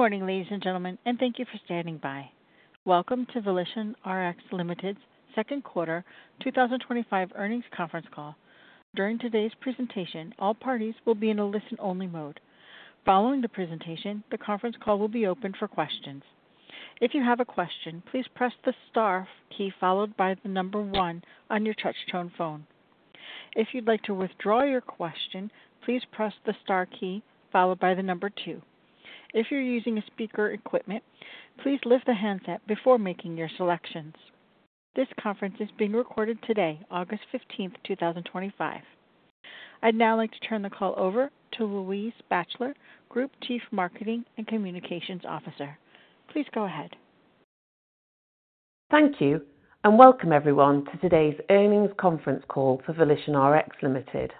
Good morning, ladies and gentlemen, and thank you for standing by. Welcome to VolitionRx Limited's Second Quarter 2025 Earnings Conference Call. During today's presentation, all parties will be in a listen-only mode. Following the presentation, the conference call will be open for questions. If you have a question, please press the star key followed by the number one on your touch-tone phone. If you'd like to withdraw your question, please press the star key followed by the number two. If you're using speaker equipment, please lift the handset before making your selections. This conference is being recorded today, August 15, 2025. I'd now like to turn the call over to Louise Batchelor, Group Chief Marketing and Communications Officer. Please go ahead. Thank you, and welcome everyone to today's earnings conference call for VolitionRx Limited.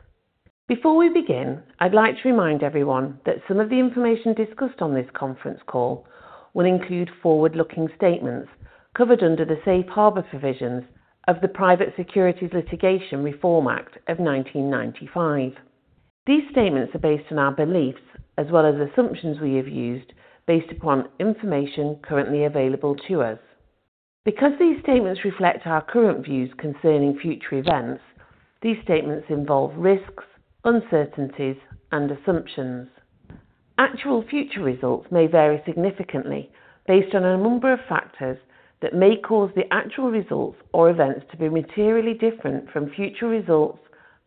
Before we begin, I'd like to remind everyone that some of the information discussed on this conference call will include forward-looking statements covered under the safe harbor provisions of the Private Securities Litigation Reform Act of 1995. These statements are based on our beliefs as well as assumptions we have used based upon information currently available to us. Because these statements reflect our current views concerning future events, these statements involve risks, uncertainties, and assumptions. Actual future results may vary significantly based on a number of factors that may cause the actual results or events to be materially different from future results,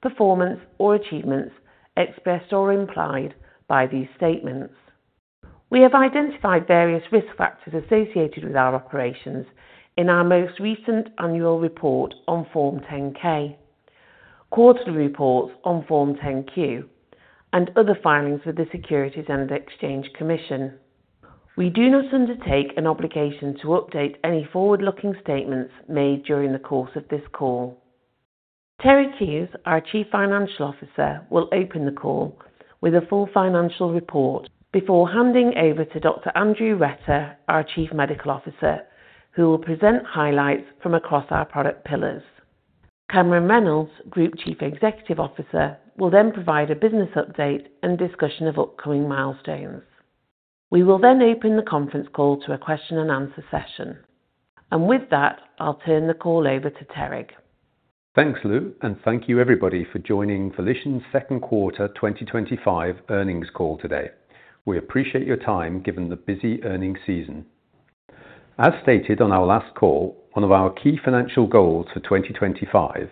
performance, or achievements expressed or implied by these statements. We have identified various risk factors associated with our operations in our most recent annual report on Form 10-K, quarterly reports on Form 10-Q, and other filings with the Securities and Exchange Commission. We do not undertake an obligation to update any forward-looking statements made during the course of this call. Terig Hughes, our Chief Financial Officer, will open the call with a full financial report before handing over to Dr. Andrew Retter, our Chief Medical Officer, who will present highlights from across our product pillars. Cameron Reynolds, Group Chief Executive Officer, will then provide a business update and discussion of upcoming milestones. We will then open the conference call to a question and answer session. With that, I'll turn the call over to Terig. Thanks, Lou, and thank you everybody for joining VolitionRx Limited's second quarter 2025 earnings call today. We appreciate your time given the busy earnings season. As stated on our last call, one of our key financial goals for 2025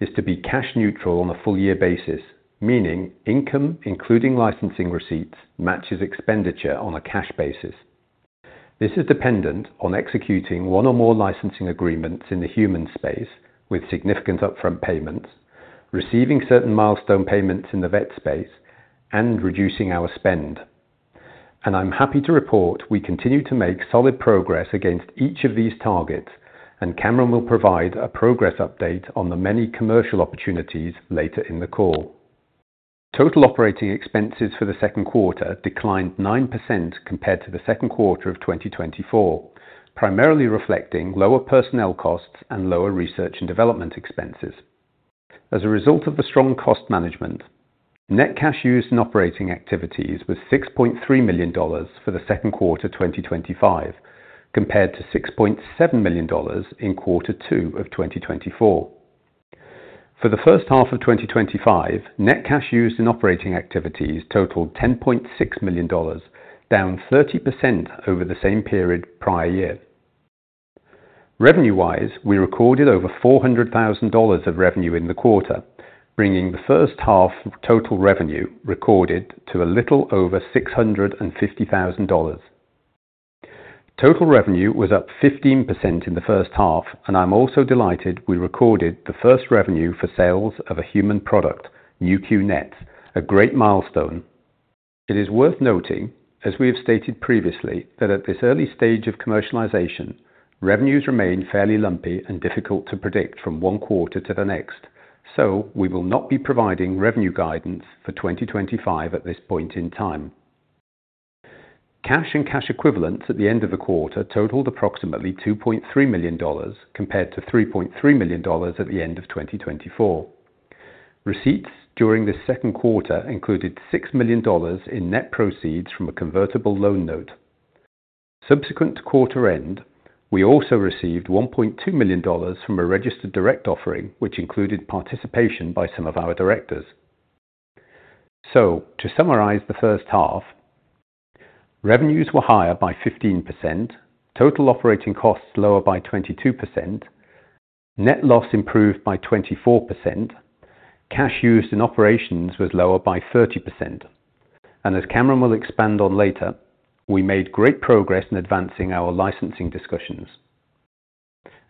is to be cash neutral on a full-year basis, meaning income, including licensing receipts, matches expenditure on a cash basis. This is dependent on executing one or more licensing agreements in the human space with significant upfront payments, receiving certain milestone payments in the vet space, and reducing our spend. I'm happy to report we continue to make solid progress against each of these targets, and Cameron will provide a progress update on the many commercial opportunities later in the call. Total operating expenses for the second quarter declined 9% compared to the second quarter of 2024, primarily reflecting lower personnel costs and lower research and development expenses. As a result of the strong cost management, net cash use in operating activities was $6.3 million for the second quarter of 2025, compared to $6.7 million in quarter two of 2024. For the first half of 2025, net cash use in operating activities totaled $10.6 million, down 30% over the same period prior year. Revenue-wise, we recorded over $400,000 of revenue in the quarter, bringing the first half of total revenue recorded to a little over $650,000. Total revenue was up 15% in the first half, and I'm also delighted we recorded the first revenue for sales of a human product, Nu.Q NETs, a great milestone. It is worth noting, as we have stated previously, that at this early stage of commercialization, revenues remain fairly lumpy and difficult to predict from one quarter to the next, so we will not be providing revenue guidance for 2025 at this point in time. Cash and cash equivalents at the end of the quarter totaled approximately $2.3 million, compared to $3.3 million at the end of 2024. Receipts during this second quarter included $6 million in net proceeds from a convertible loan note. Subsequent to quarter end, we also received $1.2 million from a registered direct offering, which included participation by some of our directors. To summarize the first half, revenues were higher by 15%, total operating costs lower by 22%, net loss improved by 24%, cash used in operations was lower by 30%, and as Cameron will expand on later, we made great progress in advancing our licensing discussions.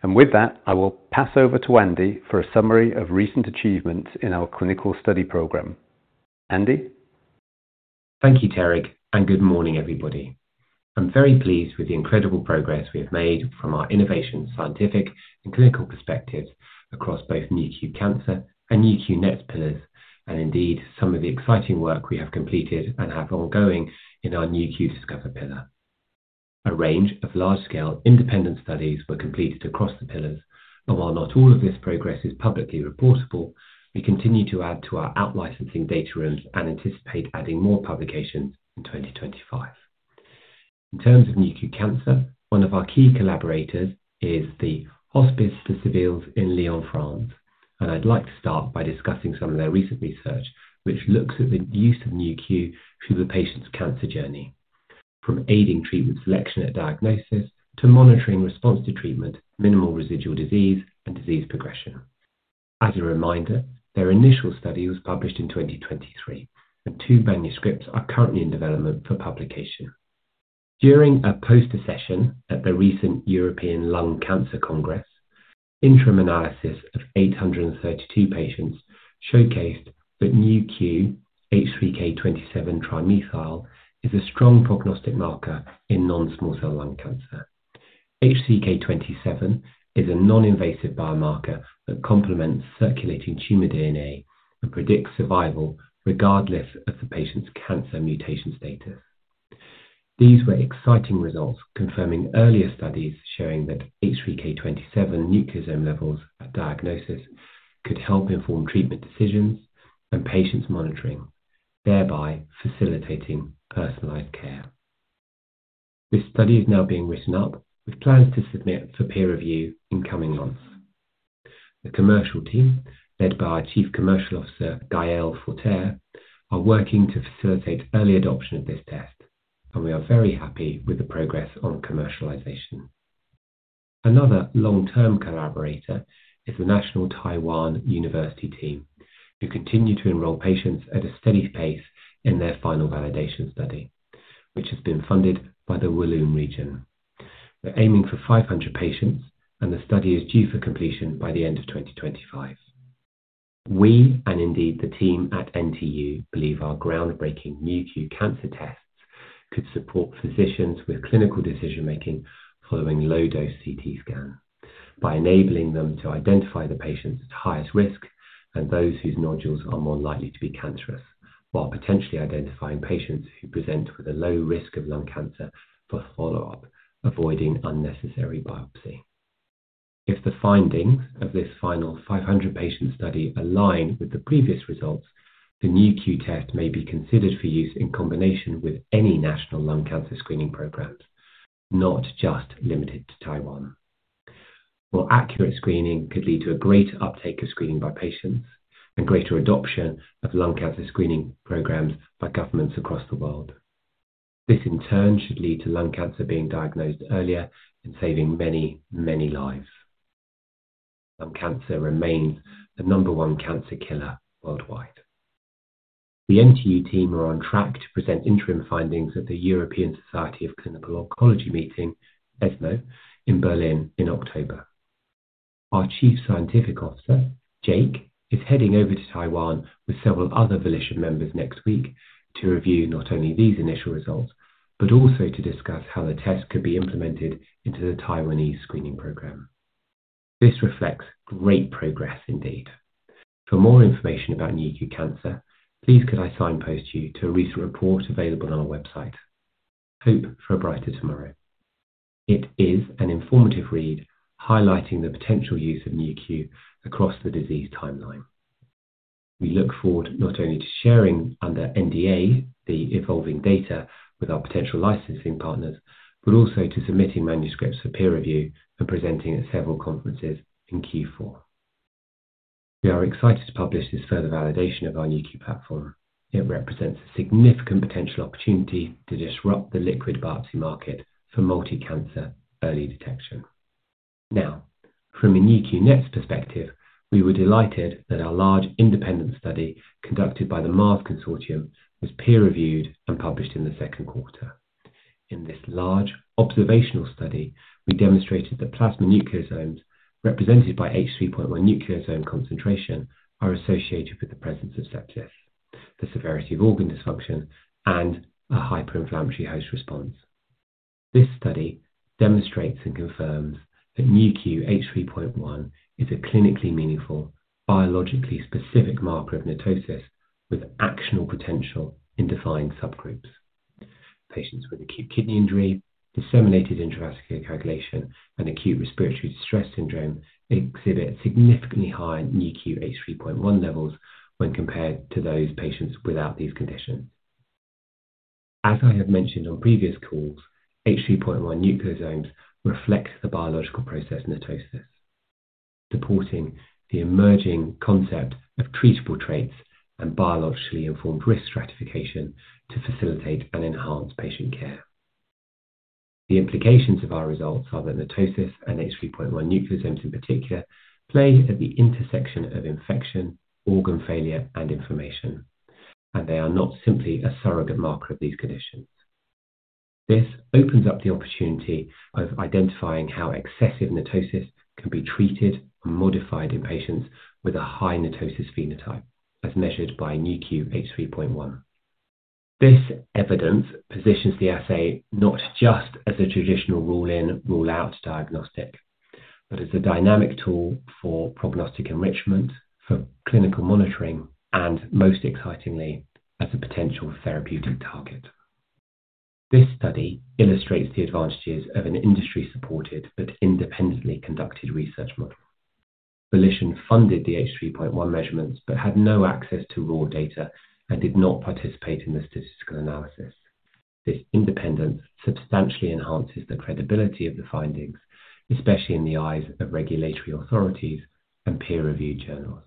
With that, I will pass over to Andy for a summary of recent achievements in our clinical study program. Andy? Thank you, Terig, and good morning, everybody. I'm very pleased with the incredible progress we have made from our innovations, scientific and clinical perspectives across both Nu.Q Cancer and Nu.Q NETs pillars, and indeed some of the exciting work we have completed and have ongoing in our Nu.Q Discover pillar. A range of large-scale independent studies were completed across the pillars, and while not all of this progress is publicly reportable, we continue to add to our out-licensing data rooms and anticipate adding more publications in 2025. In terms of Nu.Q Cancer, one of our key collaborators is the Hospices Civils de Lyon in France, and I'd like to start by discussing some of their recent research, which looks at the use of Nu.Q through the patient's cancer journey, from aiding treatment selection at diagnosis to monitoring response to treatment, minimal residual disease, and disease progression. As a reminder, their initial study was published in 2023, and two manuscripts are currently in development for publication. During a poster session at the recent European Lung Cancer Congress, interim analysis of 832 patients showcased that Nu.Q H3K27me3 is a strong prognostic marker in non-small cell lung cancer. H3K27 is a non-invasive biomarker that complements circulating tumor DNA and predicts survival regardless of the patient's cancer mutation status. These were exciting results, confirming earlier studies showing that H3K27 nucleosome levels at diagnosis could help inform treatment decisions and patients' monitoring, thereby facilitating personalized care. This study is now being written up with plans to submit for peer review in coming months. The commercial team, led by our Chief Commercial Officer, Gael Forterre, are working to facilitate early adoption of this test, and we are very happy with the progress on commercialization. Another long-term collaborator is the National Taiwan University Hospital team, who continue to enroll patients at a steady pace in their final validation study, which has been funded by the Wollongong region. We're aiming for 500 patients, and the study is due for completion by the end of 2025. We, and indeed the team at National Taiwan University Hospital, believe our groundbreaking Nu.Q Cancer tests could support physicians with clinical decision-making following low-dose CT scan by enabling them to identify the patients at highest risk and those whose nodules are more likely to be cancerous, while potentially identifying patients who present with a low risk of lung cancer for follow-up, avoiding unnecessary biopsy. If the findings of this final 500-patient study align with the previous results, the Nu.Q Cancer test may be considered for use in combination with any national lung cancer screening programs, not just limited to Taiwan. More accurate screening could lead to a greater uptake of screening by patients and greater adoption of lung cancer screening programs by governments across the world. This, in turn, should lead to lung cancer being diagnosed earlier and saving many, many lives. Lung cancer remains the number one cancer killer worldwide. The National Taiwan University Hospital team are on track to present interim findings at the European Society of Clinical Oncology meeting, ESMO, in Berlin in October. Our Chief Scientific Officer, Jake, is heading over to Taiwan with several other VolitionRx Limited members next week to review not only these initial results, but also to discuss how the test could be implemented into the Taiwanese screening program. This reflects great progress, indeed. For more information about Nu.Q Cancer, please could I signpost you to a recent report available on our website. Hope for a brighter tomorrow. It is an informative read highlighting the potential use of Nu.Q Cancer across the disease timeline. We look forward not only to sharing under NDA the evolving data with our potential licensing partners, but also to submitting manuscripts for peer review and presenting at several conferences in Q4. We are excited to publish this further validation of our Nu.Q platform. It represents a significant potential opportunity to disrupt the liquid biopsy market for multi-cancer early detection. Now, from a Nu.Q NETs perspective, we were delighted that our large independent study conducted by the MARS Consortium was peer-reviewed and published in the second quarter. In this large observational study, we demonstrated that plasma nucleosomes, represented by H3.1 nucleosome concentration, are associated with the presence of sepsis, the severity of organ dysfunction, and a hyper-inflammatory host response. This study demonstrates and confirms that Nu.Q H3.1 is a clinically meaningful, biologically specific marker of mitosis with actionable potential in defined subgroups. Patients with acute kidney injury, disseminated intravascular coagulation, and acute respiratory distress syndrome exhibit significantly higher Nu.Q H3.1 levels when compared to those patients without these conditions. As I have mentioned on previous calls, H3.1 nucleosomes reflect the biological process mitosis, supporting the emerging concept of treatable traits and biologically informed risk stratification to facilitate and enhance patient care. The implications of our results are that mitosis and H3.1 nucleosomes, in particular, play at the intersection of infection, organ failure, and inflammation, and they are not simply a surrogate marker of these conditions. This opens up the opportunity of identifying how excessive mitosis can be treated and modified in patients with a high mitosis phenotype, as measured by Nu.Q H3.1. This evidence positions the assay not just as a traditional rule-in, rule-out diagnostic, but as a dynamic tool for prognostic enrichment, for clinical monitoring, and most excitingly, as a potential therapeutic target. This study illustrates the advantages of an industry-supported but independently conducted research model. VolitionRx Limited funded the H3.1 measurements but had no access to raw data and did not participate in the statistical analysis. This independence substantially enhances the credibility of the findings, especially in the eyes of regulatory authorities and peer-reviewed journals.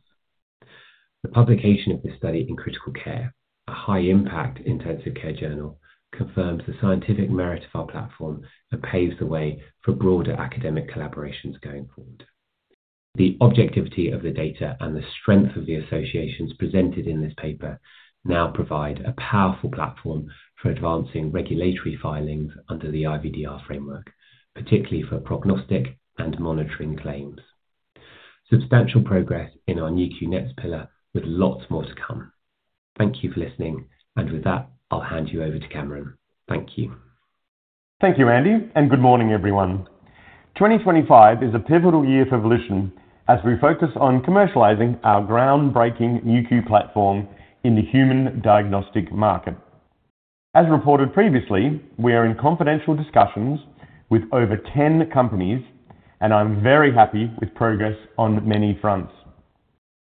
The publication of this study in Critical Care, a high-impact intensive care journal, confirms the scientific merit of our platform and paves the way for broader academic collaborations going forward. The objectivity of the data and the strength of the associations presented in this paper now provide a powerful platform for advancing regulatory filings under the IVDR framework, particularly for prognostic and monitoring claims. Substantial progress in our Nu.Q NETs pillar with lots more to come. Thank you for listening, and with that, I'll hand you over to Cameron. Thank you. Thank you, Andy, and good morning, everyone. 2025 is a pivotal year for VolitionRx Limited as we focus on commercializing our groundbreaking Nu.Q platform in the human diagnostic market. As reported previously, we are in confidential discussions with over 10 companies, and I'm very happy with progress on many fronts.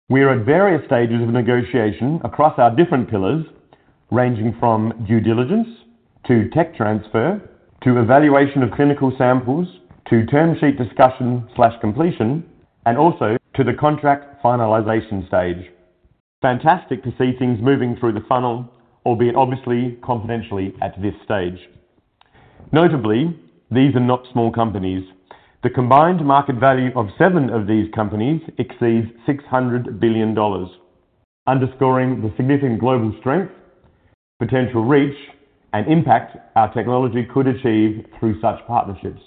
We are at various stages of negotiation across our different pillars, ranging from due diligence to tech transfer, to evaluation of clinical samples, to term sheet discussion/completion, and also to the contract finalization stage. It is fantastic to see things moving through the funnel, albeit obviously confidentially at this stage. Notably, these are not small companies. The combined market value of seven of these companies exceeds $600 billion, underscoring the significant global strength, potential reach, and impact our technology could achieve through such partnerships.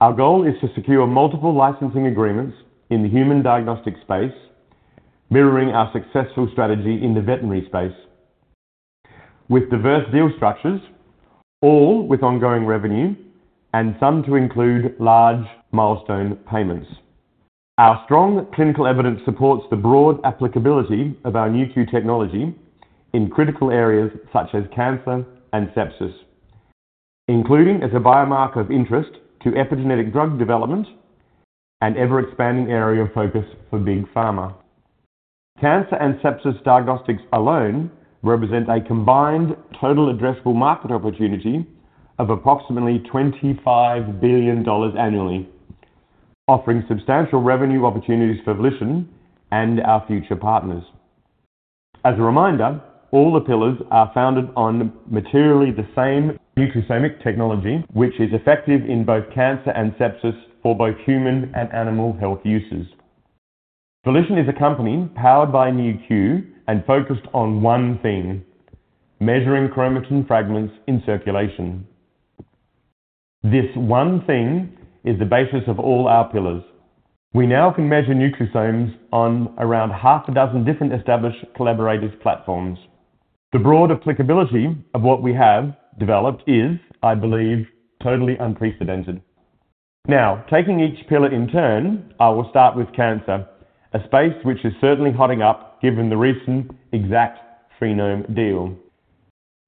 Our goal is to secure multiple licensing agreements in the human diagnostic space, mirroring our successful strategy in the veterinary space, with diverse deal structures, all with ongoing revenue and some to include large milestone payments. Our strong clinical evidence supports the broad applicability of our Nu.Q technology in critical areas such as cancer and sepsis, including as a biomarker of interest to epigenetic drug development, an ever-expanding area of focus for big pharma. Cancer and sepsis diagnostics alone represent a combined total addressable market opportunity of approximately $25 billion annually, offering substantial revenue opportunities for VolitionRx Limited and our future partners. As a reminder, all the pillars are founded on materially the same nucleosomic technology, which is effective in both cancer and sepsis for both human and animal health uses. VolitionRx Limited is a company powered by Nu.Q and focused on one theme: measuring chromatin fragments in circulation. This one theme is the basis of all our pillars. We now can measure nucleosomes on around half a dozen different established collaborators' platforms. The broad applicability of what we have developed is, I believe, totally unprecedented. Now, taking each pillar in turn, I will start with cancer, a space which is certainly hotting up given the recent ExactTM Phenome deal.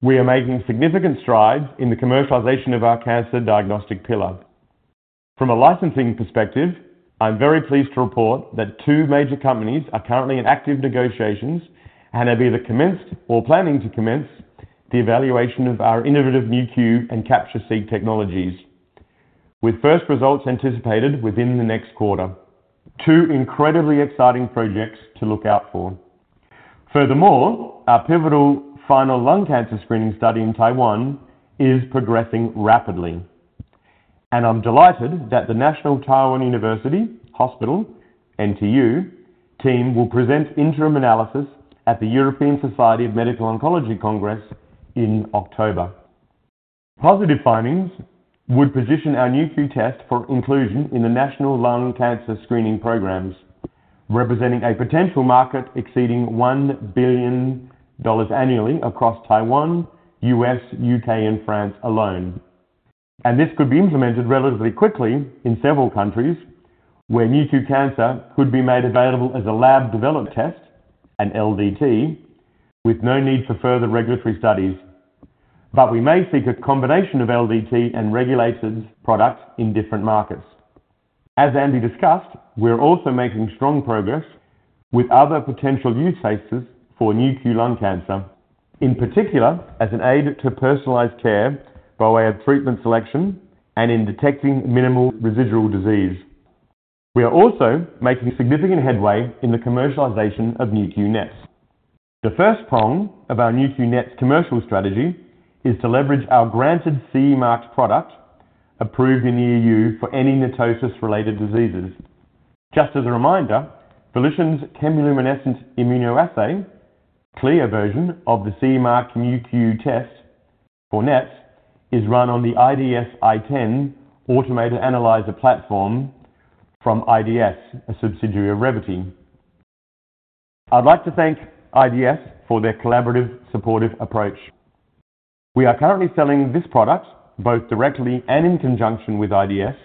We are making significant strides in the commercialization of our cancer diagnostic pillar. From a licensing perspective, I'm very pleased to report that two major companies are currently in active negotiations and have either commenced or are planning to commence the evaluation of our innovative Nu.Q and Capture-PCR technologies, with first results anticipated within the next quarter. Two incredibly exciting projects to look out for. Furthermore, our pivotal final lung cancer screening study in Taiwan is progressing rapidly, and I'm delighted that the National Taiwan University Hospital team will present interim analysis at the European Society of Medical Oncology Congress in October. Positive findings would position our Nu.Q test for inclusion in the national lung cancer screening programs, representing a potential market exceeding $1 billion annually across Taiwan, U.S., U.K., and France alone. This could be implemented relatively quickly in several countries where Nu.Q Cancer could be made available as a lab-developed test, an LDT, with no need for further regulatory studies. We may seek a combination of LDT and regulated products in different markets. As Andrew Retter discussed, we're also making strong progress with other potential use cases for Nu.Q lung cancer, in particular as an aid to personalized care by way of treatment selection and in detecting minimal residual disease. We are also making significant headway in the commercialization of Nu.Q NETs. The first prong of our Nu.Q NETs commercial strategy is to leverage our granted CE-marked product, approved in the EU for any mitosis-related diseases. Just as a reminder, VolitionRx's chemiluminescent immunoassay, a CLIA version of the CE-marked Nu.Q test for NETs, is run on the IDS i10 automated analyzer platform from IDS, a subsidiary of Revvity. I'd like to thank IDS for their collaborative, supportive approach. We are currently selling this product both directly and in conjunction with IDS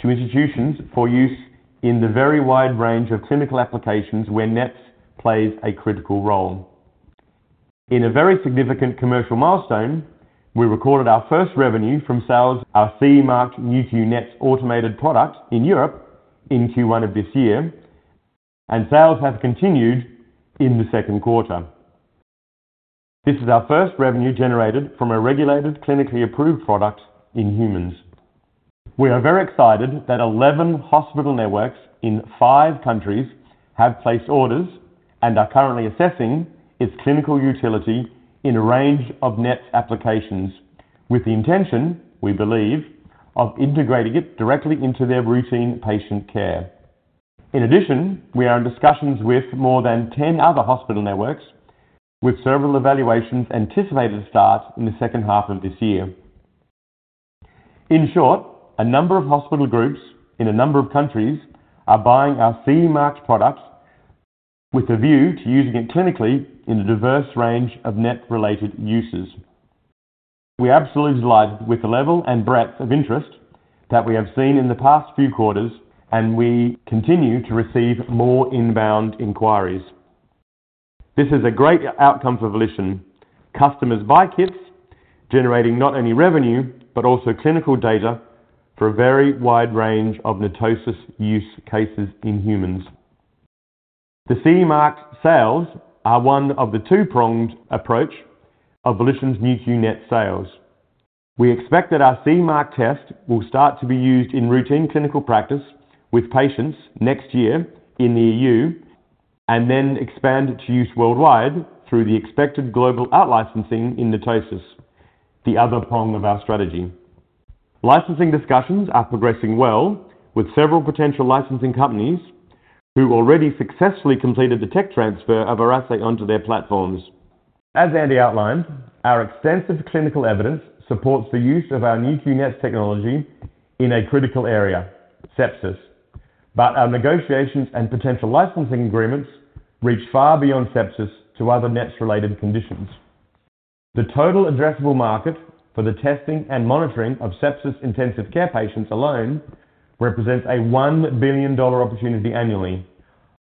to institutions for use in the very wide range of clinical applications where NETs play a critical role. In a very significant commercial milestone, we recorded our first revenue from sales of our CE-marked Nu.Q NETs automated product in Europe in Q1 of this year, and sales have continued in the second quarter. This is our first revenue generated from a regulated, clinically approved product in humans. We are very excited that 11 hospital networks in five countries have placed orders and are currently assessing its clinical utility in a range of NETs applications with the intention, we believe, of integrating it directly into their routine patient care. In addition, we are in discussions with more than 10 other hospital networks with several evaluations anticipated to start in the second half of this year. In short, a number of hospital groups in a number of countries are buying our CE-marked product with a view to using it clinically in a diverse range of NETs-related uses. We are absolutely delighted with the level and breadth of interest that we have seen in the past few quarters, and we continue to receive more inbound inquiries. This is a great outcome for VolitionRx Limited. Customers buy kits, generating not only revenue but also clinical data for a very wide range of mitosis-related use cases in humans. The CE-marked sales are one of the two-pronged approach of VolitionRx’s Nu.Q NETs sales. We expect that our CE-marked test will start to be used in routine clinical practice with patients next year in the EU and then expand to use worldwide through the expected global out-licensing in mitosis, the other prong of our strategy. Licensing discussions are progressing well with several potential licensing companies who already successfully completed the tech transfer of our assay onto their platforms. As Dr. Andrew Retter outlined, our extensive clinical evidence supports the use of our Nu.Q NETs technology in a critical area, sepsis. Our negotiations and potential licensing agreements reach far beyond sepsis to other NETs-related conditions. The total addressable market for the testing and monitoring of sepsis intensive care patients alone represents a $1 billion opportunity annually,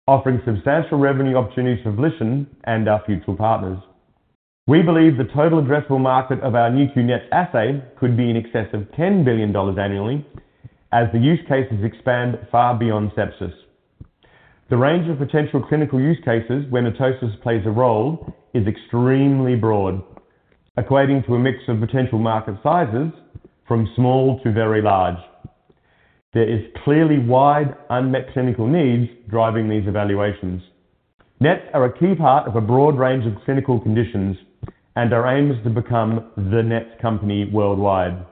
offering substantial revenue opportunities for VolitionRx Limited and our future partners. We believe the total addressable market of our Nu.Q NETs assay could be in excess of $10 billion annually as the use cases expand far beyond sepsis. The range of potential clinical use cases where mitosis plays a role is extremely broad, equating to a mix of potential market sizes from small to very large. There are clearly wide, unmet clinical needs driving these evaluations. NETs are a key part of a broad range of clinical conditions and our aim is to become the NETs company worldwide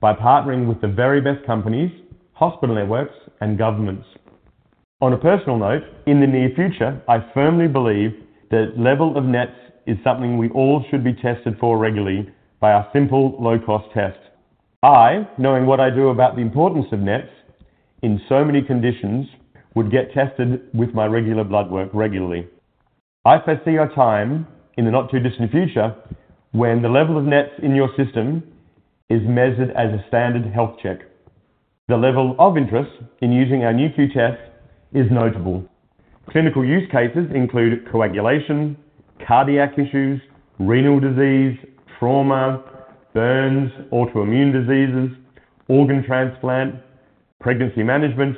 by partnering with the very best companies, hospital networks, and governments. On a personal note, in the near future, I firmly believe that the level of NETs is something we all should be tested for regularly by a simple, low-cost test. I, knowing what I do about the importance of NETs in so many conditions, would get tested with my regular blood work regularly. I foresee a time in the not-too-distant future when the level of NETs in your system is measured as a standard health check. The level of interest in using our Nu.Q test is notable. Clinical use cases include coagulation, cardiac issues, renal disease, trauma, burns, autoimmune diseases, organ transplant, pregnancy management,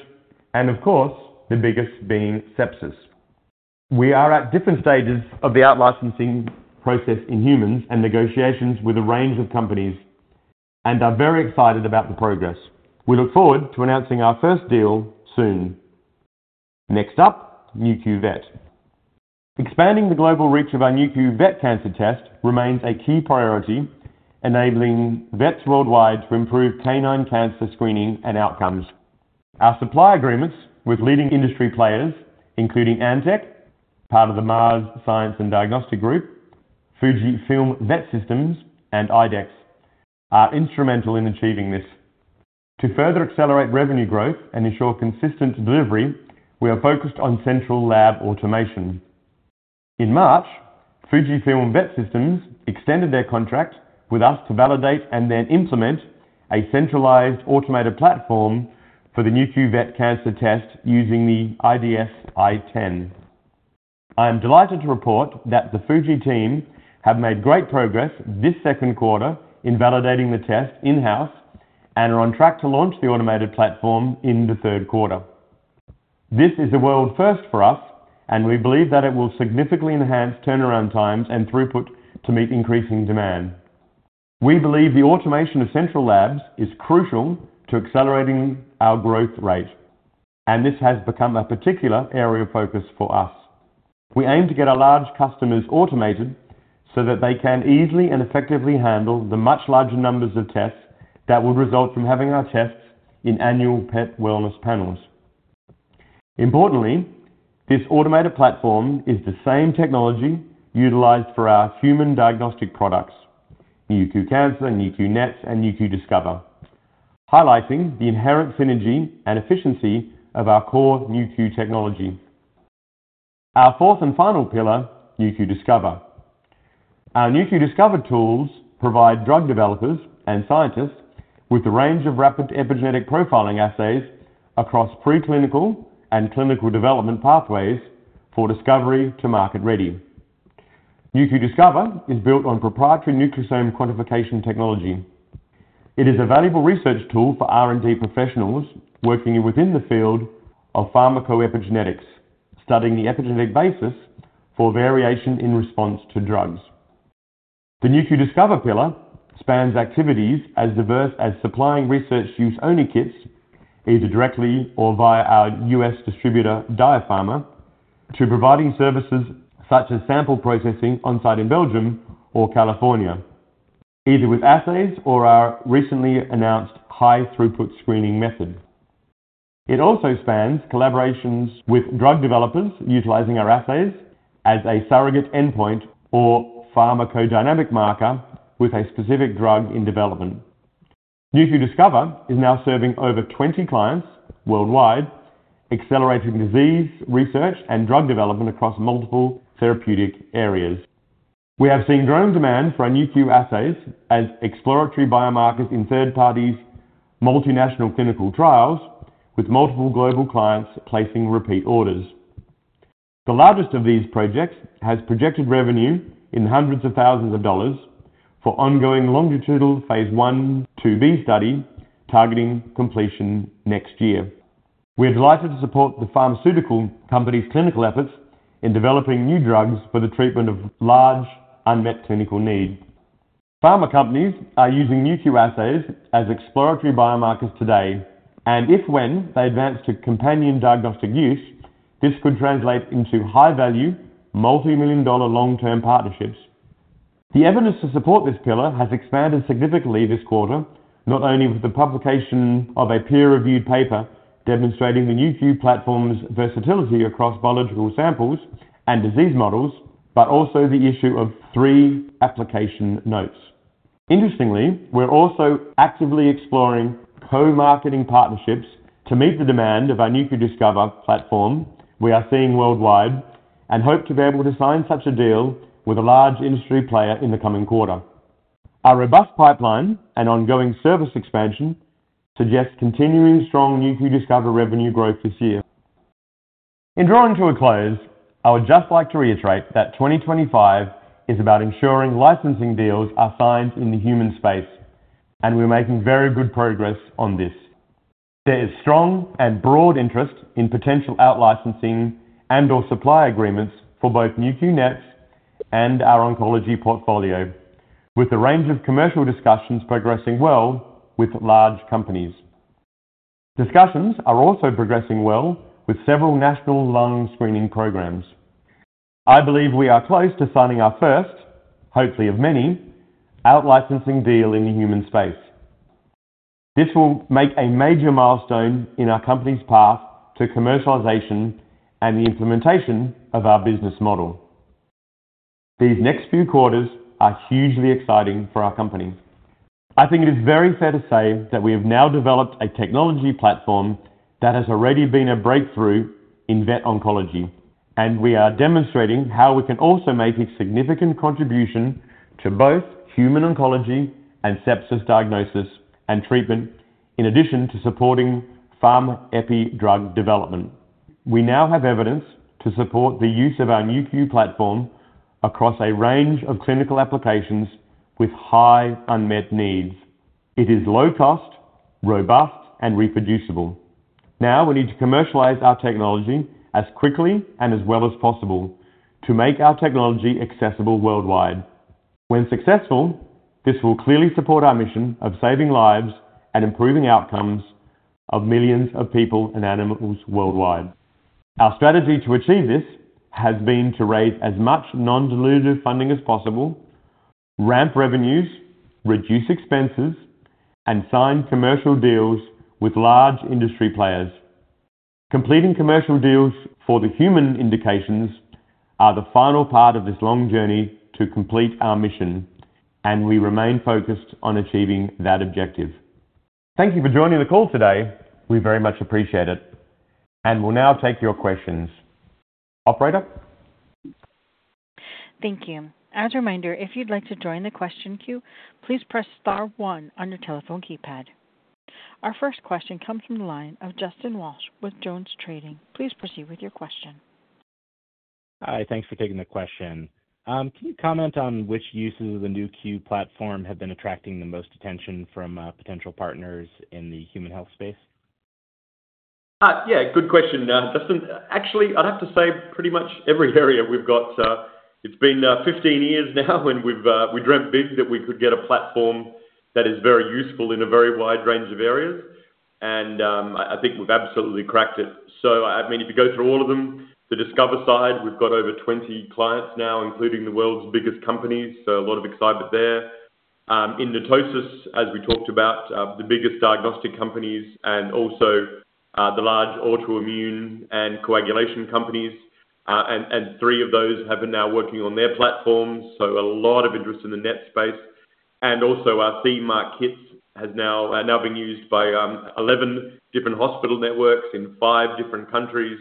and of course, the biggest being sepsis. We are at different stages of the out-licensing process in humans and negotiations with a range of companies, and I'm very excited about the progress. We look forward to announcing our first deal soon. Next up, Nu.Q Vet. Expanding the global reach of our Nu.Q Vet Cancer Test remains a key priority, enabling vets worldwide to improve canine cancer screening and outcomes. Our supply agreements with leading industry players, including Antech Diagnostics, part of the MARS Consortium Science and Diagnostic Group, Fujifilm Vet Systems, and IDEXX, are instrumental in achieving this. To further accelerate revenue growth and ensure consistent delivery, we are focused on central lab automation. In March, Fujifilm Vet Systems extended their contract with us to validate and then implement a centralized automated platform for the Nu.Q Vet Cancer Test using the IDS i10. I am delighted to report that the Fuji team have made great progress this second quarter in validating the test in-house and are on track to launch the automated platform in the third quarter. This is a world first for us, and we believe that it will significantly enhance turnaround times and throughput to meet increasing demand. We believe the automation of central labs is crucial to accelerating our growth rate, and this has become a particular area of focus for us. We aim to get our large customers automated so that they can easily and effectively handle the much larger numbers of tests that would result from having our tests in annual pet wellness panels. Importantly, this automated platform is the same technology utilized for our human diagnostic products, Nu.Q Cancer, Nu.Q NETs, and Nu.Q Discover, highlighting the inherent synergy and efficiency of our core Nu.Q technology. Our fourth and final pillar, Nu.Q Discover. Our Nu.Q Discover tools provide drug developers and scientists with a range of rapid epigenetic profiling assays across preclinical and clinical development pathways for discovery to market ready. Nu.Q Discover is built on proprietary nucleosome quantification technology. It is a valuable research tool for R&D professionals working within the field of pharmacoepigenetics, studying the epigenetic basis for variation in response to drugs. The Nu.Q Discover pillar spans activities as diverse as supplying research use-only kits, either directly or via our U.S. distributor Diapharma, to providing services such as sample processing on-site in Belgium or California, either with assays or our recently announced high-throughput screening method. It also spans collaborations with drug developers utilizing our assays as a surrogate endpoint or pharmacodynamic marker with a specific drug in development. Nu.Q Discover is now serving over 20 clients worldwide, accelerating disease research and drug development across multiple therapeutic areas. We have seen growing demand for our Nu.Q assays as exploratory biomarkers in third-party multinational clinical trials with multiple global clients placing repeat orders. The largest of these projects has projected revenue in hundreds of thousands of dollars for ongoing longitudinal phase one to B study targeting completion next year. We're delighted to support the pharmaceutical company's clinical efforts in developing new drugs for the treatment of large unmet clinical need. Pharma companies are using Nu.Q assays as exploratory biomarkers today, and if when they advance to companion diagnostic use, this could translate into high-value, multi-million dollar long-term partnerships. The evidence to support this pillar has expanded significantly this quarter, not only with the publication of a peer-reviewed paper demonstrating the Nu.Q platform's versatility across biological samples and disease models, but also the issue of three application notes. Interestingly, we're also actively exploring co-marketing partnerships to meet the demand of our Nu.Q Discover platform we are seeing worldwide and hope to be able to sign such a deal with a large industry player in the coming quarter. Our robust pipeline and ongoing service expansion suggest continuing strong Nu.Q Discover revenue growth this year. In drawing to a close, I would just like to reiterate that 2025 is about ensuring licensing deals are signed in the human space, and we're making very good progress on this. There is strong and broad interest in potential out-licensing and/or supply agreements for both Nu.Q NETs and our oncology portfolio, with a range of commercial discussions progressing well with large companies. Discussions are also progressing well with several national lung screening programs. I believe we are close to signing our first, hopefully of many, out-licensing deal in the human space. This will make a major milestone in our company's path to commercialization and the implementation of our business model. These next few quarters are hugely exciting for our company. I think it is very fair to say that we have now developed a technology platform that has already been a breakthrough in vet oncology, and we are demonstrating how we can also make a significant contribution to both human oncology and sepsis diagnosis and treatment, in addition to supporting pharma-epi-drug development. We now have evidence to support the use of our Nu.Q platform across a range of clinical applications with high unmet needs. It is low-cost, robust, and reproducible. Now we need to commercialize our technology as quickly and as well as possible to make our technology accessible worldwide. When successful, this will clearly support our mission of saving lives and improving outcomes of millions of people and animals worldwide. Our strategy to achieve this has been to raise as much non-dilutive funding as possible, ramp revenues, reduce expenses, and sign commercial deals with large industry players. Completing commercial deals for the human indications are the final part of this long journey to complete our mission, and we remain focused on achieving that objective. Thank you for joining the call today. We very much appreciate it, and we'll now take your questions. Operator? Thank you. As a reminder, if you'd like to join the question queue, please press star one on your telephone keypad. Our first question comes from the line of Justin Walsh with Jones Trading. Please proceed with your question. Hi, thanks for taking the question. Can you comment on which uses of the Nu.Q platform have been attracting the most attention from potential partners in the human health space? Yeah, good question, Justin. Actually, I'd have to say pretty much every area we've got. It's been 15 years now when we dreamt big that we could get a platform that is very useful in a very wide range of areas, and I think we've absolutely cracked it. If you go through all of them, the Discover side, we've got over 20 clients now, including the world's biggest companies, so a lot of excitement there. In mitosis, as we talked about, the biggest diagnostic companies and also the large autoimmune and coagulation companies, and three of those have been now working on their platforms, so a lot of interest in the NETs space. Also, our CE-marked kits are now being used by 11 different hospital networks in five different countries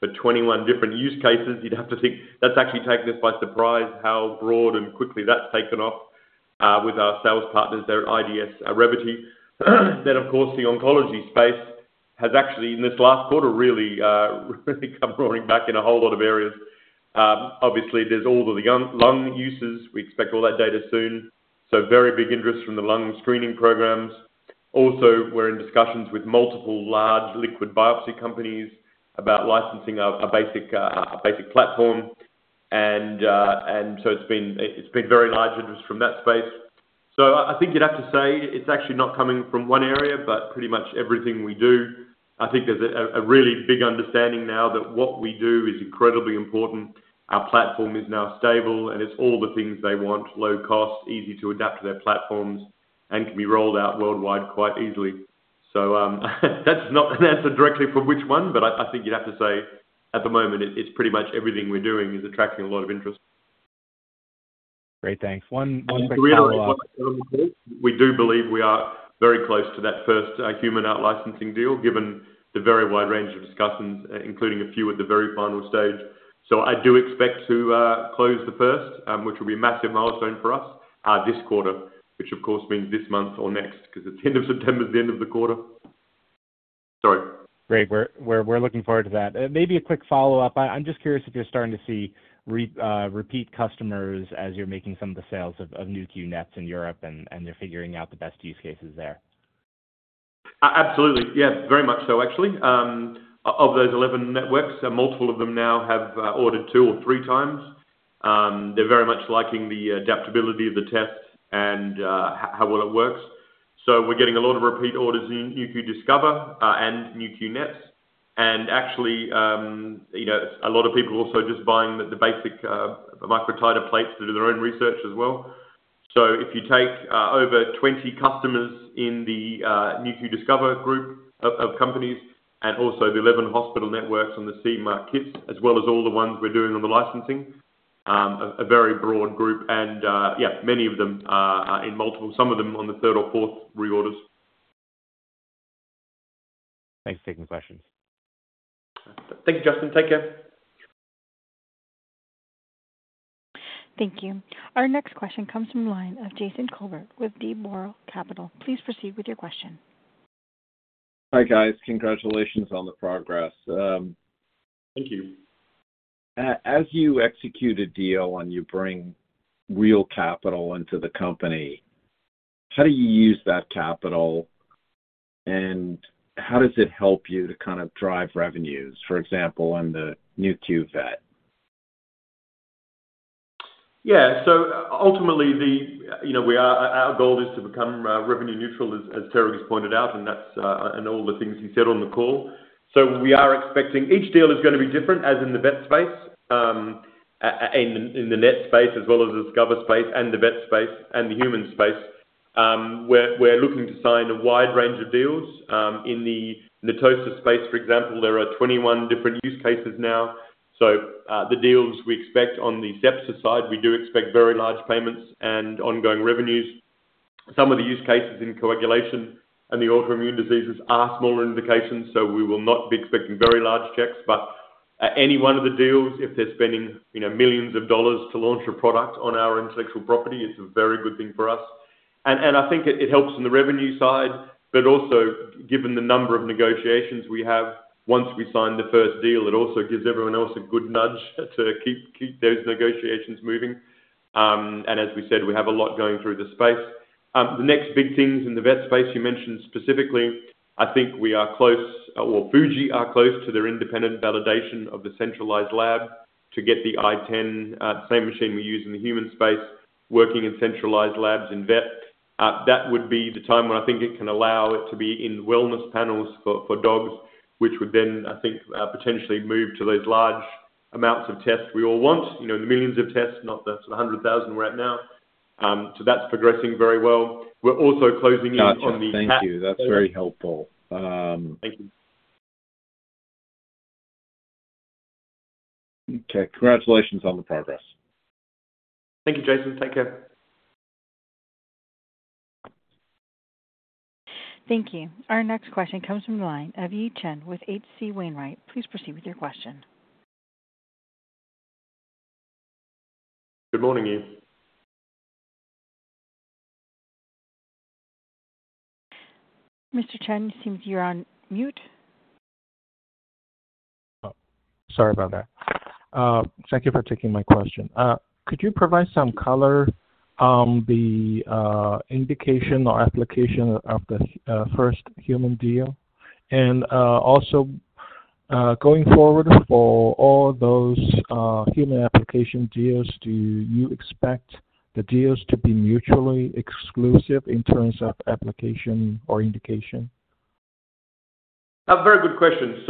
for 21 different use cases. You'd have to think that's actually taken us by surprise how broad and quickly that's taken off with our sales partners there at IDS Revity. Of course, the oncology space has actually, in this last quarter, really come roaring back in a whole lot of areas. Obviously, there's all the lung uses. We expect all that data soon, so very big interest from the lung screening programs. Also, we're in discussions with multiple large liquid biopsy companies about licensing a basic platform, and it's been very large interest from that space. I think you'd have to say it's actually not coming from one area, but pretty much everything we do. I think there's a really big understanding now that what we do is incredibly important. Our platform is now stable, and it's all the things they want: low cost, easy to adapt to their platforms, and can be rolled out worldwide quite easily. That's not an answer directly for which one, but I think you'd have to say at the moment it's pretty much everything we're doing is attracting a lot of interest. Great, thanks. One quick follow-up. We do believe we are very close to that first human out-licensing deal, given the very wide range of discussions, including a few at the very final stage. I do expect to close the first, which will be a massive milestone for us, this quarter, which of course means this month or next, because at the end of September is the end of the quarter. Great, we're looking forward to that. Maybe a quick follow-up. I'm just curious if you're starting to see repeat customers as you're making some of the sales of Nu.Q NETs in Europe and you're figuring out the best use cases there. Absolutely. Yeah, very much so, actually. Of those 11 networks, multiple of them now have ordered two or three times. They're very much liking the adaptability of the test and how well it works. We're getting a lot of repeat orders in Nu.Q Discover and Nu.Q NETs, and actually, a lot of people are also just buying the basic microtiter plates to do their own research as well. If you take over 20 customers in the Nu.Q Discover group of companies and also the 11 hospital networks on the CE-marked kits, as well as all the ones we're doing on the licensing, it's a very broad group, and yeah, many of them are in multiple, some of them on the third or fourth reorders. Thanks for taking the questions. Thank you, Justin. Take care. Thank you. Our next question comes from the line of Jason Kolbert with DeMoral Capital. Please proceed with your question. Hi guys, congratulations on the progress. Thank you. As you execute a deal and you bring real capital into the company, how do you use that capital and how does it help you to kind of drive revenues, for example, in the Nu.Q Vet Cancer Test? Yeah, so ultimately, you know, our goal is to become revenue neutral, as Terig just pointed out, and that's all the things he said on the call. We are expecting each deal is going to be different, as in the vet space, in the NETs space, as well as the Discover space, and the vet space, and the human space. We're looking to sign a wide range of deals. In the mitosis space, for example, there are 21 different use cases now. The deals we expect on the sepsis side, we do expect very large payments and ongoing revenues. Some of the use cases in coagulation and the autoimmune diseases are smaller indications, so we will not be expecting very large checks. Any one of the deals, if they're spending millions of dollars to launch a product on our intellectual property, it's a very good thing for us. I think it helps on the revenue side, but also given the number of negotiations we have, once we sign the first deal, it also gives everyone else a good nudge to keep those negotiations moving. As we said, we have a lot going through the space. The next big things in the vet space you mentioned specifically, I think we are close, or Fujifilm Vet Systems are close to their independent validation of the centralized lab to get the I10, same machine we use in the human space, working in centralized labs in vet. That would be the time when I think it can allow it to be in wellness panels for dogs, which would then, I think, potentially move to those large amounts of tests we all want, you know, in the millions of tests, not the 100,000 we're at now. That's progressing very well. We're also closing in on the. Thank you, that's very helpful. Thank you. Okay, congratulations on the progress. Thank you, Jason. Take care. Thank you. Our next question comes from the line of Yi Chen with HC Wainwright. Please proceed with your question. Good morning, Yi. Mr. Chen, it seems you're on mute. Thank you for taking my question. Could you provide some color on the indication or application of the first human deal? Also, going forward for all those human application deals, do you expect the deals to be mutually exclusive in terms of application or indication? A very good question.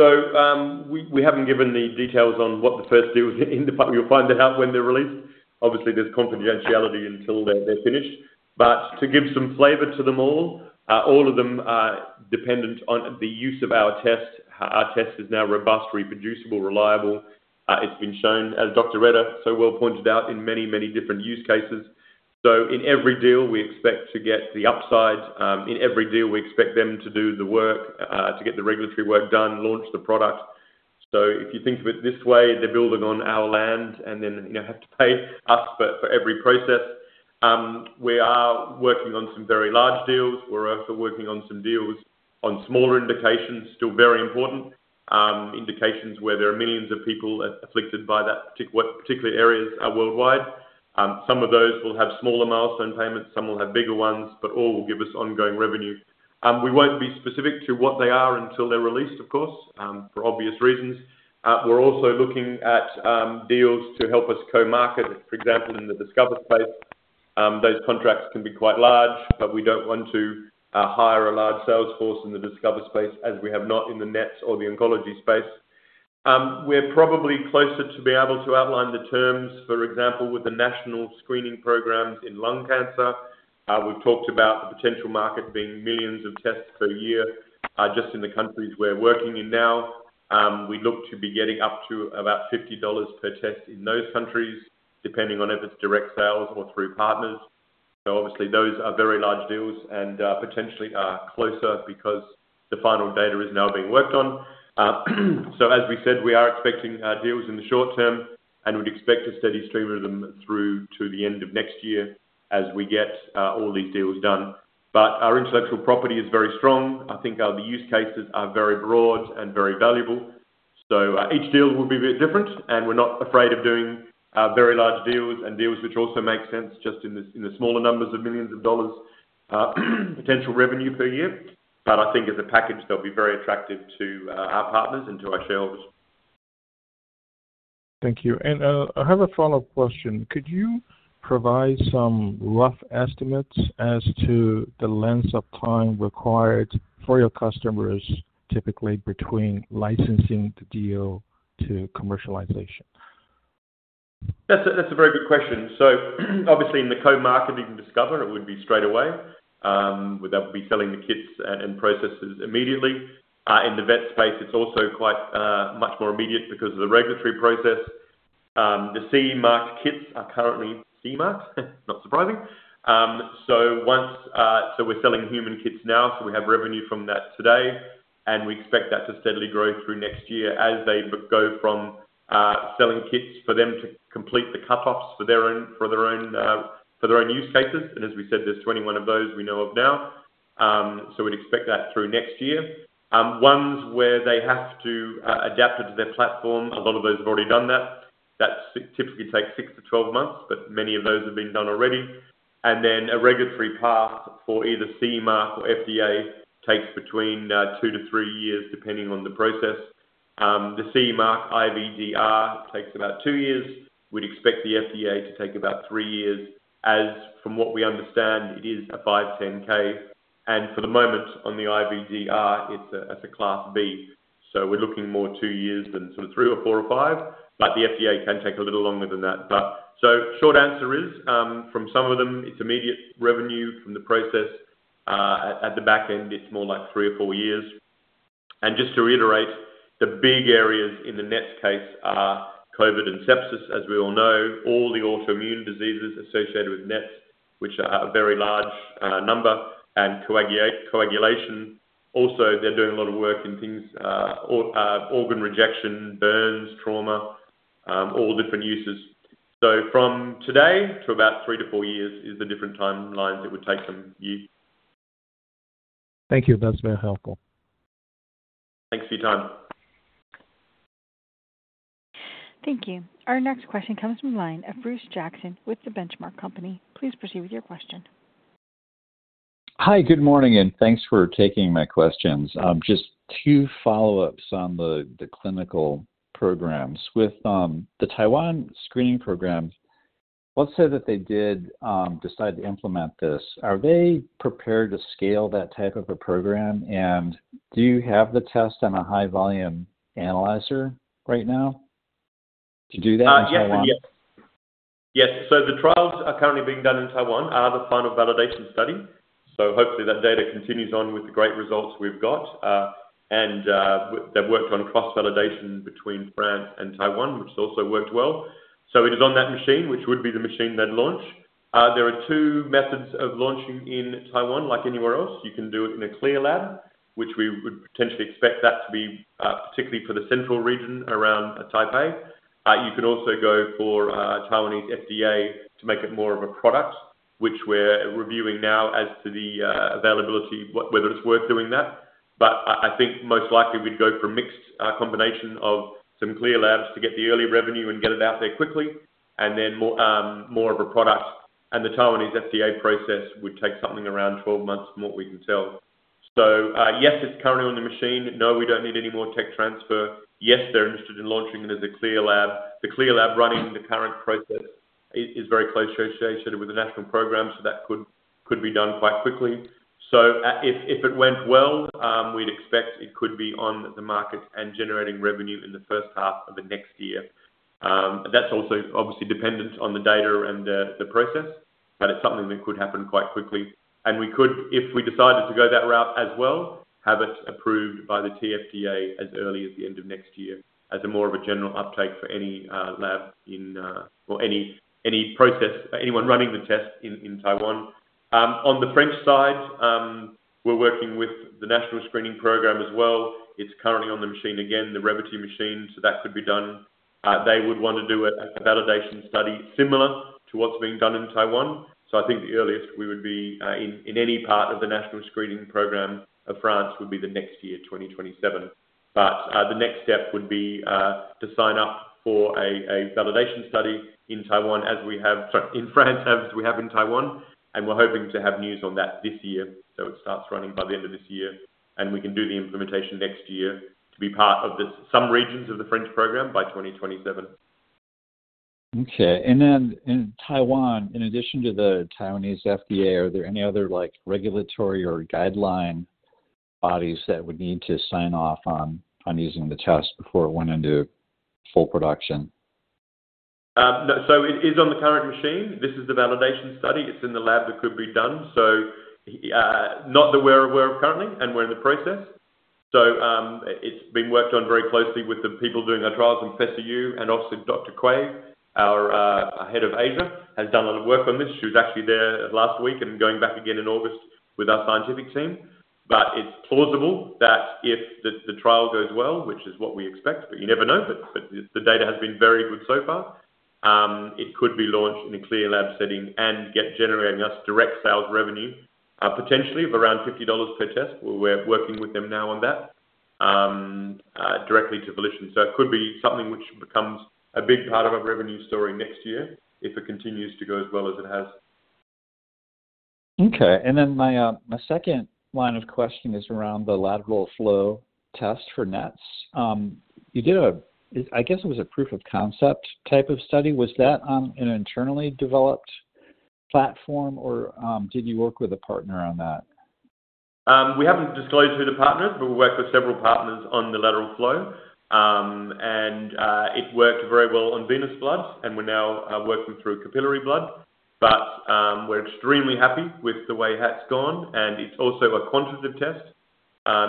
We haven't given the details on what the first deal is, but we'll find that out when they're released. Obviously, there's confidentiality until they're finished. To give some flavor to them all, all of them are dependent on the use of our test. Our test is now robust, reproducible, reliable. It's been shown, as Dr. Retter so well pointed out, in many, many different use cases. In every deal, we expect to get the upside. In every deal, we expect them to do the work, to get the regulatory work done, launch the product. If you think of it this way, they're building on our land and then, you know, have to pay us for every process. We are working on some very large deals. We're also working on some deals on smaller indications, still very important. Indications where there are millions of people afflicted by that particular area are worldwide. Some of those will have smaller milestone payments, some will have bigger ones, but all will give us ongoing revenue. We won't be specific to what they are until they're released, of course, for obvious reasons. We're also looking at deals to help us co-market, for example, in the Discover space. Those contracts can be quite large, but we don't want to hire a large sales force in the Discover space, as we have not in the NETs or the oncology space. We're probably closer to be able to outline the terms, for example, with the national screening programs in lung cancer. We've talked about the potential market being millions of tests per year, just in the countries we're working in now. We look to be getting up to about $50 per test in those countries, depending on if it's direct sales or through partners. Obviously, those are very large deals and potentially are closer because the final data is now being worked on. As we said, we are expecting deals in the short term and would expect a steady stream of them through to the end of next year as we get all these deals done. Our intellectual property is very strong. I think the use cases are very broad and very valuable. Each deal will be a bit different, and we're not afraid of doing very large deals and deals which also make sense just in the smaller numbers of millions of dollars potential revenue per year. I think as a package, they'll be very attractive to our partners until I share all this. Thank you. I have a follow-up question. Could you provide some rough estimates as to the length of time required for your customers, typically between licensing the deal to commercialization? That's a very good question. Obviously, in the co-marketing Discover, it would be straight away. We'd be selling the kits and processes immediately. In the vet space, it's also quite much more immediate because of the regulatory process. The CE-marked kits are currently CE-marked, not surprising. We're selling human kits now, so we have revenue from that today, and we expect that to steadily grow through next year as they go from selling kits for them to complete the cutoffs for their own use cases. As we said, there's 21 of those we know of now. We'd expect that through next year. Ones where they have to adapt to their platform, a lot of those have already done that. That typically takes 6 to 12 months, but many of those have been done already. A regulatory path for either CE-marked or FDA takes between two to three years, depending on the process. The CE-marked IVDR takes about two years. We'd expect the FDA to take about three years, as from what we understand, it is a 510(k). For the moment, on the IVDR, it's a class B. We're looking more two years than sort of three or four or five, but the FDA can take a little longer than that. Short answer is, from some of them, it's immediate revenue from the process. At the back end, it's more like three or four years. Just to reiterate, the big areas in the NETs case are COVID and sepsis, as we all know, all the autoimmune diseases associated with NETs, which are a very large number, and coagulation. Also, they're doing a lot of work in things like organ rejection, burns, trauma, all different uses. From today to about three to four years is the different timelines it would take them. Thank you. That's very helpful. Thanks for your time. Thank you. Our next question comes from the line of Bruce Jackson with The Benchmark Company. Please proceed with your question. Hi, good morning, and thanks for taking my questions. Just two follow-ups on the clinical programs. With the Taiwan screening program, let's say that they did decide to implement this. Are they prepared to scale that type of a program, and do you have the test on a high-volume analyzer right now to do that in Taiwan? Yes, yes. The trials are currently being done in Taiwan as a final validation study. Hopefully, that data continues on with the great results we've got. They've worked on cross-validation between France and Taiwan, which has also worked well. It is on that machine, which would be the machine they'd launch. There are two methods of launching in Taiwan. Like anywhere else, you can do it in a CLIA lab, which we would potentially expect that to be, particularly for the central region around Taipei. You can also go for Taiwanese FDA to make it more of a product, which we're reviewing now as to the availability, whether it's worth doing that. I think most likely we'd go for a mixed combination of some CLIA labs to get the early revenue and get it out there quickly, and then more of a product. The Taiwanese FDA process would take something around 12 months from what we can tell. Yes, it's currently on the machine. No, we don't need any more tech transfer. Yes, they're interested in launching it as a CLIA lab. The CLIA lab running the current process is very closely associated with the national program, so that could be done quite quickly. If it went well, we'd expect it could be on the market and generating revenue in the first half of the next year. That's also obviously dependent on the data and the process, but it's something that could happen quite quickly. We could, if we decided to go that route as well, have it approved by the TFDA as early as the end of next year as more of a general uptake for any lab or any process, anyone running the test in Taiwan. On the French side, we're working with the national screening program as well. It's currently on the machine again, the Revity machine, so that could be done. They would want to do a validation study similar to what's being done in Taiwan. I think the earliest we would be in any part of the national screening program of France would be the next year, 2027. The next step would be to sign up for a validation study in France as we have in Taiwan. We're hoping to have news on that this year, so it starts running by the end of this year, and we can do the implementation next year to be part of some regions of the French program by 2027. Okay. In Taiwan, in addition to the Taiwanese FDA, are there any other regulatory or guideline bodies that would need to sign off on using the test before it went into full production? It is on the current machine. This is the validation study. It's in the lab that could be done. Not that we're aware of currently, and we're in the process. It's been worked on very closely with the people doing our trials in PESSU, and also Dr. Quay, our Head of ASA, has done a lot of work on this. She was actually there last week and going back again in August with our scientific team. It's plausible that if the trial goes well, which is what we expect, you never know, the data has been very good so far, it could be launched in a CLIA lab setting and generate us direct sales revenue, potentially of around $50 per test. We're working with them now on that directly to VolitionRx. It could be something which becomes a big part of our revenue story next year if it continues to go as well as it has. Okay. My second line of question is around the lateral flow test for NETs. You did a, I guess it was a proof of concept type of study. Was that an internally developed platform, or did you work with a partner on that? We haven't disclosed who the partner is, but we work with several partners on the lateral flow. It worked very well on venous bloods, and we're now working through capillary blood. We're extremely happy with the way that's gone, and it's also a quantitative test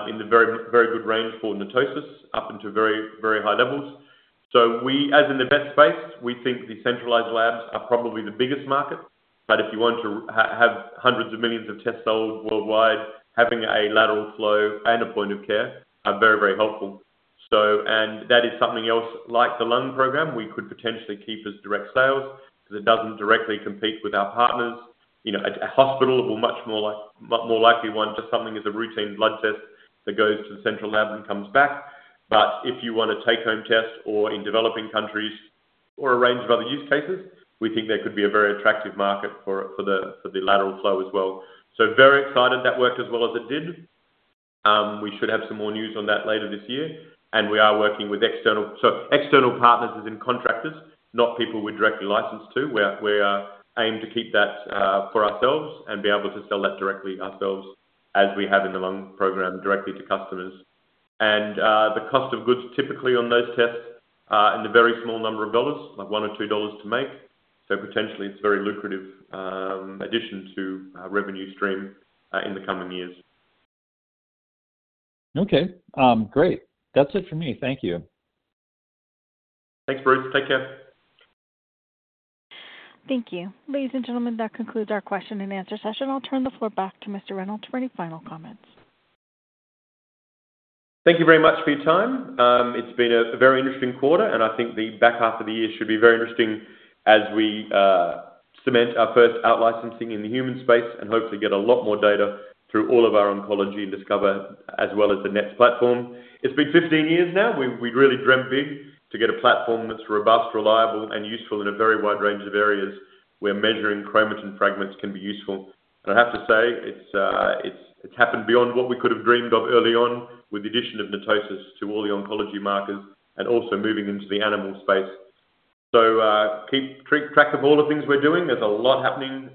in the very, very good range for mitosis up into very, very high levels. In the vet space, we think the centralized labs are probably the biggest market. If you want to have hundreds of millions of tests sold worldwide, having a lateral flow and a point of care are very, very helpful. That is something else like the lung program we could potentially keep as direct sales because it doesn't directly compete with our partners. A hospital will much more likely want just something as a routine blood test that goes to the central lab and comes back. If you want a take-home test or in developing countries or a range of other use cases, we think there could be a very attractive market for the lateral flow as well. Very excited that worked as well as it did. We should have some more news on that later this year, and we are working with external, so external partners as in contractors, not people we're directly licensed to. We aim to keep that for ourselves and be able to sell that directly ourselves as we have in the lung program directly to customers. The cost of goods typically on those tests is in the very small number of dollars, like $1 or $2 to make. Potentially, it's a very lucrative addition to our revenue stream in the coming years. Okay, great. That's it for me. Thank you. Thanks, Bruce. Take care. Thank you. Ladies and gentlemen, that concludes our question and answer session. I'll turn the floor back to Mr. Reynolds for any final comments. Thank you very much for your time. It's been a very interesting quarter, and I think the back half of the year should be very interesting as we cement our first out-licensing in the human space and hopefully get a lot more data through all of our oncology and Discover as well as the Nu.Q NETs platform. It's been 15 years now. We really dreamt big to get a platform that's robust, reliable, and useful in a very wide range of areas where measuring chromatin fragments can be useful. I have to say, it's happened beyond what we could have dreamed of early on with the addition of mitosis to all the oncology markers and also moving into the animal space. Keep track of all the things we're doing. There's a lot happening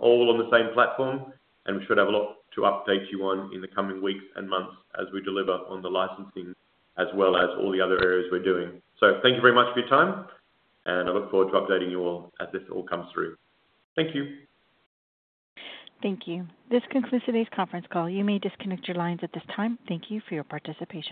all on the same platform, and we should have a lot to update you on in the coming weeks and months as we deliver on the licensing as well as all the other areas we're doing. Thank you very much for your time, and I look forward to updating you all as this all comes through. Thank you. Thank you. This concludes today's conference call. You may disconnect your lines at this time. Thank you for your participation.